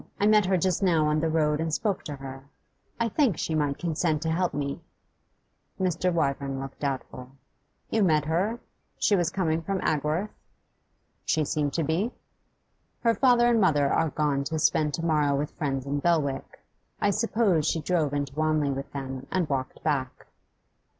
I met her just now on the road and spoke to her. I think she might consent to help me.' Mr. Wyvern looked doubtful. 'You met her? She was coming from Agworth?' 'She seemed to be.' 'Her father and mother are gone to spend to morrow with friends in Belwick; I suppose she drove into Wanley with them, and walked back.